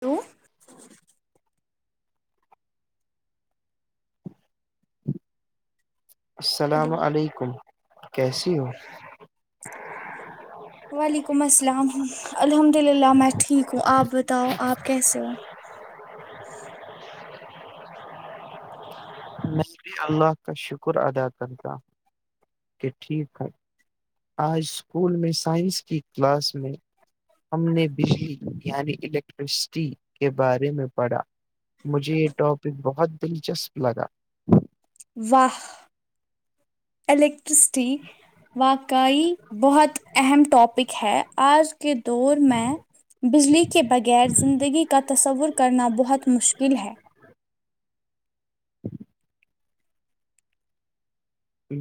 تو ہلو السلام علیکم کیسی ہو وعلیکم السلام الحمد للہ میں ٹھیک ہوں آپ بتاؤ آپ کیسے ہو شکریہ اللہ کا شکر ادا کرتاہوں کہ ٹھیک ہے آج اسکول میں سائنس کی کلاس میں ہم نے بجلی یعنی الیکٹرسٹی کے بارے میں پڑھا مجھے یہ ٹاپک بہت دلچسپ لگا واہ الیکٹرسٹی واقعی بہت اہم ٹاپک ہے آج کے دور میں بجلی کے بغیر زندگی کا تصور کرنا بہت مشکل ہے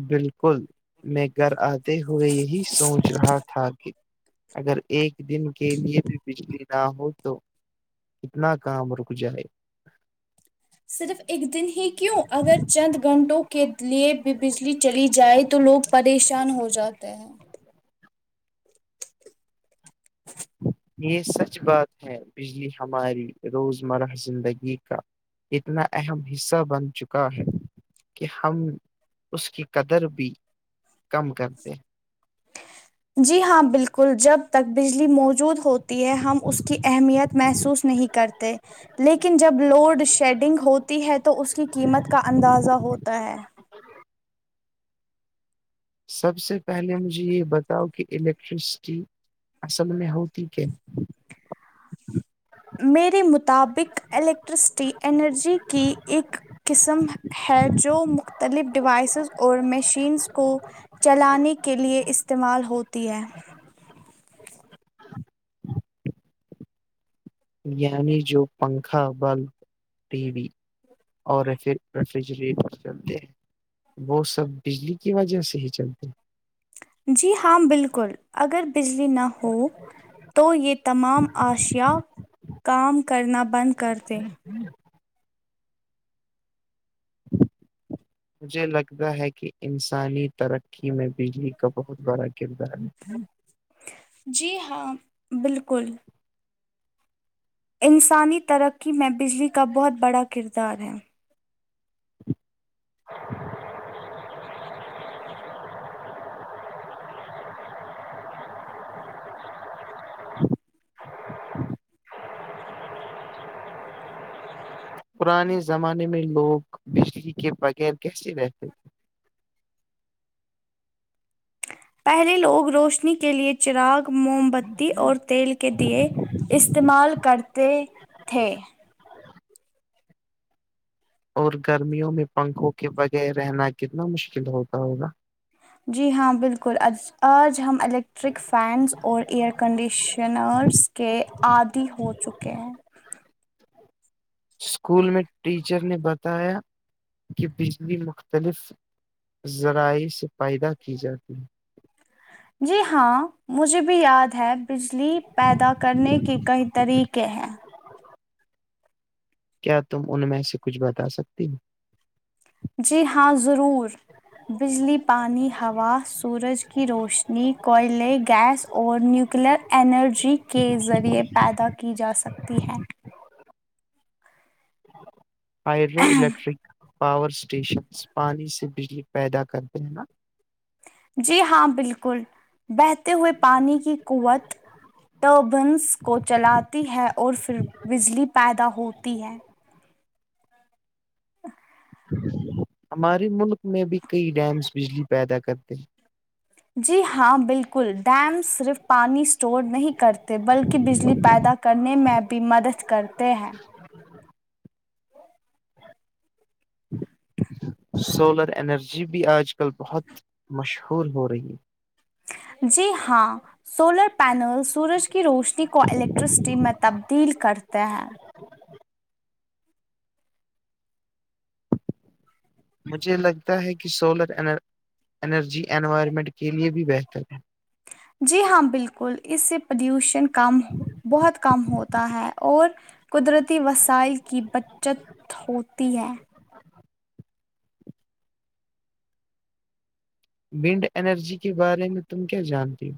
بالکل میں گھر آتے ہوئے یہی سوچ رہا تھا کہ اگر ایک دن کے لیے بھی بجلی نہ ہو تو کتنا کام رک جائے صرف ایک دن ہی کیوں اگر چند گھنٹوں کو کے لیے بھی بجلی چلی جائے تو لوگ پریشان ہو جاتے ہیں یہ سچ بات ہے بجلی ہماری روزمرہ زندگی کا اتنا اہم حصہ بن چکا ہے کہ ہم اس کی قدر بھی کم کرتے جی ہاں بالکل جب تک بجلی موجود ہوتی ہے ہم اس کی اہمیت محسوس نہیں کرتے لیکن جب لوڈ شیڈنگ ہوتی ہے تو اس کی قیمت کا اندازہ ہوتا ہے سب سے پہلے مجھے یہ بتاؤ کہ الیکٹرسٹی اصل میں ہوتی کہ میرے مطابق الیکٹرسٹی انرجی کی ایک قسم ہے جو مختلف ڈیوائسز اور مشینس کو چلانے کے لیے استعمال ہوتی ہے یعنی جو پنکھا بلب ٹی وی اور ریفریجریٹر چلتے ہیں وہ سب بجلی کی وجہ سے ہی چلتے ہیں جی ہاں بالکل اگر بجلی نہ ہو تو یہ تمام اشیا کام کرنا بند کر د [unintelligible] مجھے لگتا ہے کہ انسانی ترقی میں بجلی کا بہت بڑا کردار ہے جی ہاں بالکل انسانی ترقی میں بجلی کا بہت بڑا کردار ہے [inaudible] پرانے زمانے میں لوگ بجلی کے بغیر کیسے رہتے پہلے لوگ روشنی کے لیے چراغ موم بتی اور تیل کے لیئے استعمال کرتے تھے اور گرمیوں میں پنکھوں کے بغیر رہنا کتنا مشکل ہوتا ہوگا جی ہاں بالکل ا آج ہم الیکٹرک فینس اور ایئر کنڈیشنرس کے آدی ہو چکے ہیں اسکول میں ٹیچر نے بتایا کہ بجلی مختلف ذرائع سے پیدا کی جاتی ہے جی ہاں مجھے بھی یاد ہے بجلی پیدا کرنے کے کئی طریقے ہیں کیا تم ان میں سے کچھ بتا سکتی ہو جی ہاں ضرور بجلی پانی ہوا سورج کی روشنی کوئلے گیس اور نیوکلر انرجی کے ذریعے پیدا کی جا سکتی ہے ہائڈرو الیکٹرک پاور اسٹیشنس پانی سے بجلی پیدا کرتے ہیں نا جی ہاں بالکل بہتے ہوئے پانی کی قوت ٹربنس کو چلاتی ہے اور پھر بجلی پیدا ہوتی ہے ا [inaudible] ہمارے ملک میں بھی کئی ڈیمس بجلی پیدا کرتے ہیں جی ہاں بالکل ڈیم صرف پانی اسٹور نہیں کرتے بلکہ بجلی پیدا کرنے میں بھی مدد کرتے ہیں ہ [inaudible] سولر انرجی بھی آج کل بہت مشہور ہو رہی ہے جی ہاں سولر پینل سورج کے کی روشنی کو الیکٹرسٹی میں تبدیل کرتے ہیں مجھے لگتا ہے کہ سولر انرجی انوائرمنٹ کے لیے بھی بہتر ہے جی ہاں بالکل اس سے پلیوشن کم بہت کم ہوتا ہے اور قدرتی وسائل کی بچت ہوتی ہے ونڈ ارجی کے بارے میں تم کیا جانتی ہو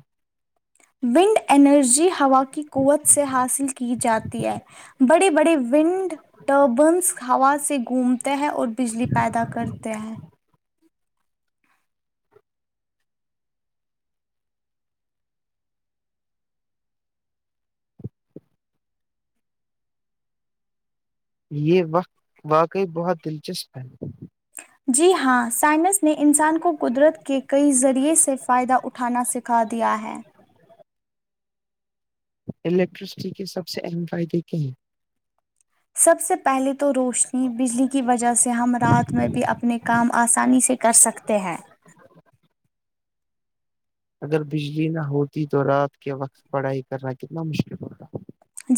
ونڈ انرجی ہوا کی قوت سے حاصل کی جاتی ہے بڑے بڑے ونڈ ٹربنس ہوا سے گھومتے ہیں اور اور بجلی پیدا کرتے ہیں یہ وقت واقعی بہت دلچسپ ہے جی ہاں سائنس نے انسان کو قدرت کے کئی ذریعے سے فائدہ اٹھ ا کھانا سکھا دیا ہے الیکٹریسٹی کے سب سے اہم فائدے کیا ہیں سب سے پہلے تو روشنی بجلی کی وجہ سے ہم رات میں بھی اپنے کام آسانی سے کر سکتے ہیں اگر بجلی نہ ہوتی تو رات کے وقت پڑھائی کرنا کتنا مشکل ہوتا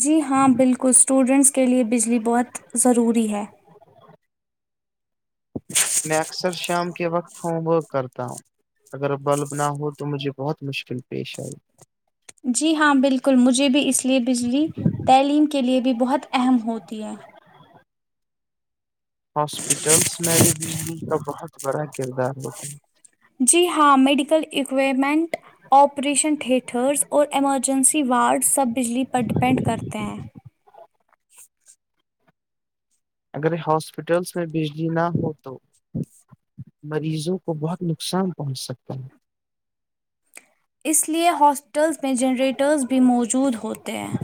جی ہاں بالکل اسٹوڈنٹس کے لیے بجلی بہت ضروری ہے [inaudible] میں اکثر شام کے وقت ہوم ورک کرتا ہوں اگر بلب نہ ہو تو مجھے بہت مشکل پیش آئی جی ہاں بالکل مجھے بھی اس لیے بجلی تعلیم کے لیے بھی بہت اہم ہوتی ہے ہاسپٹلس میں بھی دلی کا بہت بڑا کردار ہوتا جی ہاں میڈیکل اکویپمنٹ آپریشن تھیٹرز اور ایمرجنسی وارڈز سب بجلی پر ڈپینڈ کرتے ہیں اگر ہاسپٹلس میں بجلی نہ ہو تو مریضوں کو بہت نقصان پہنچ سکتا ہے اس لیے ہاسٹلس میں جنریٹرز بھی موجود ہوتے ہیں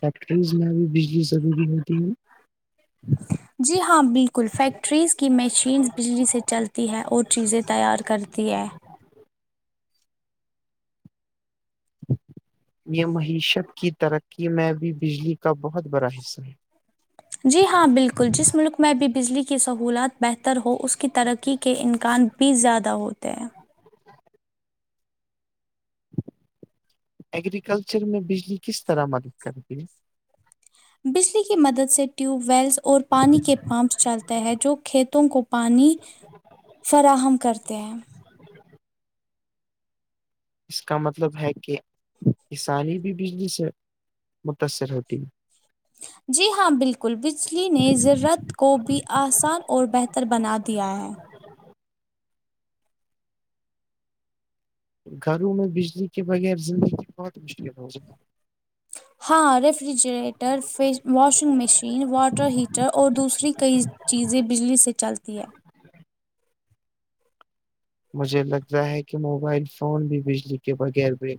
فیکٹریز میں ابھی بجلی سب بھی ہوتی ہے اچ [unintelligible] جی ہاں بالکل فیکٹریز کی مشینس بجلی سے چلتی ہے اور چیزیں تیار کرتی ہے یہ معیشت کی ترقی میں بھی بجلی کا بہت بڑا حصہ ہے جی ہاں بالکل جس ملک میں بھی بجلی کی سہولات بہتر ہو اس کی ترقی کے امکان بھی زیادہ ہوتے ہیں ایگریکلچر میں بجلی کس طرح مدد کرتی ہے بجلی کی مدد سے ٹیوب ویلس اور پانی کے پمپس چلتے ہے جو کھیتوں کو پانی فراہم کرتے ہیں اس کا مطلب ہے کہ کسانی بھی بجلی سے متاثر ہوتی ہے جی ہاں بالکل بجلی نے زرت کو بھی آسان اور بہتر بنا دیا ہے گھروں میں بجلی کے بغیر زندگی بہت مشکل ہو گی ہاں ریفریجریٹر ف واشنگ مشین واٹر ہیٹر اور دوسری کئی چیزیں بجلی سے چلتی ہے مجھے لگتا ہے کہ موبائل فون بھی بجلی کے بغیر ب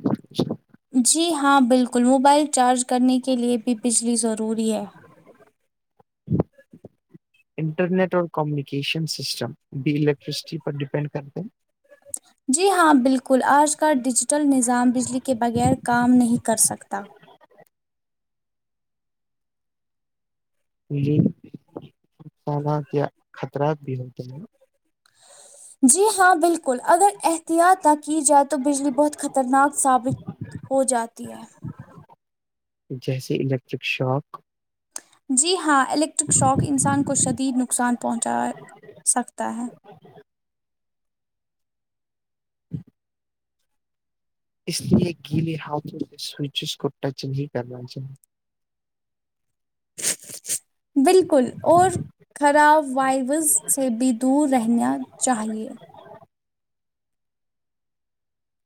جی ہاں بالکل موبائل چارج کرنے کے لیے بھی بجلی ضروری ہے انٹرنیٹ اور کمیونیکیشن سسٹم بھی الیکٹریسٹی پر ڈپینڈ کرتے ہیں جی ہاں بالکل آج کا ڈیجیٹل نظام بجلی کے بغیر کام نہیں کر سکتا یہانہ کیا خطرات بھی ہوتے نا جی ہاں بالکل اگر احتیاط نہ کی جائے تو بجلی بہت خطرناک ثابت ہو جاتی ہے جیسے الیکٹرک شاپ [unintelligible] جی ہاں الیکٹرک شوق انسان کو شدید نقصان پہنچا سکتا ہے اس لیے گیلے ہاتھوں کے سوئچز کو ٹچ نہیں کرنا چاہیے ج بالکل اور خراب وائیوز سے بھی دور رہنا چاہیے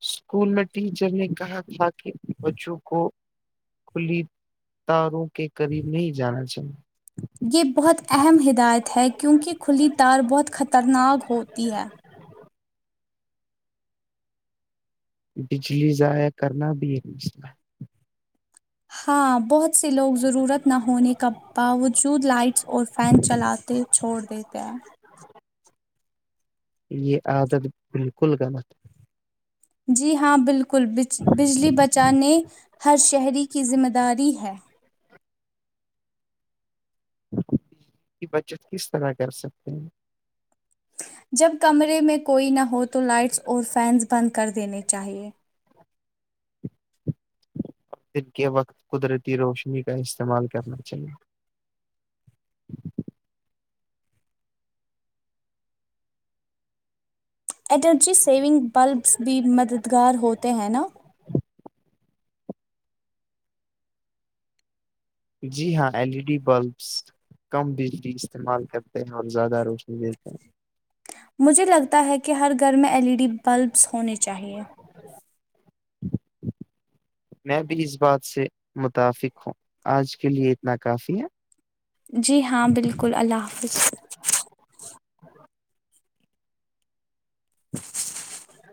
اسکول میں ٹیچر نے کہا تھا کہ بچوں کو پلی تاروں کے قریب نہیں جانا چاہے یہ بہت اہم ہدایت ہے کیونکہ کھلی تار بہت خطرناک ہوتی ہے بجلی ضاائع کرنا بھی ہے مس ہاں بہت سے لوگ ضرورت نہ ہونے کا باوجود لائٹس اور فین چلاتے چھوڑ دیتے ہیں یہ عادت بالکل غلط ہے جی ہاں بالکلج بجلی بچانے ہر شہری کی ذمہ داری ہے کی بچت کس طرح کر سکتے ہیں جب کمرے میں کوئی نہ ہو تو لائٹس اور فینس بند کر دینے چاہیے دن کے وقت قدرتی روشنی کا استعمال کرنا چاہیے انرجی سیونگ بلبس بھی مددگار ہوتے ہیں نا جی ہاں ایل ای ڈی بلبس [unintelligible] کم بجلی استعمال کرتے ہیں اور زیادہ روشنی دیتے ہیں مجھے لگتا ہے کہ ہر گھر میں ایل ای ڈی بلبس ہونے چاہیے [inaudible] میں بھی اس بات سے متفق ہوں آج کے لیے اتنا کافی ہے جی ہاں بالکل اللہ حافظ ہاں [inaudible]